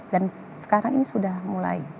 dan sekarang ini sudah mulai